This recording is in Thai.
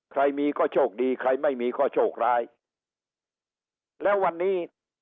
ใครมีก็โชคดีใครไม่มีก็โชคร้ายแล้ววันนี้